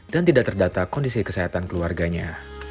dan tidak terdata kondisi kesehatan keluarganya